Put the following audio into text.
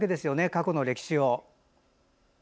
過去の歴史を。